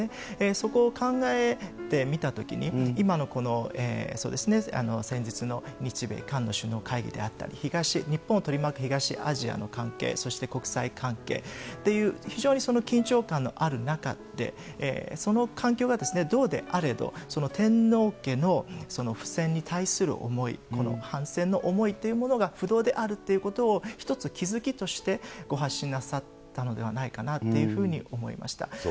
そこを考えてみたときに、今のこの、先日の日米韓の首脳会議であったり、日本を取り巻く東アジアの関係、そして国際関係っていう、非常に緊張感のある中で、その環境がどうであれど、天皇家の不戦に対する思い、反戦の思いというものが不動であるということを、一つ気付きとしてご発信なさったのではないかなというふうに思いました。